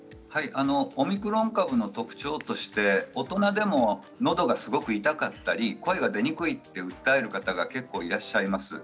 オミクロン株の特徴として大人でものどがすごく痛かったり、声が出にくいと訴える方が結構いらっしゃいます。